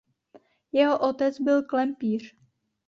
Jeho otec byl klempíř.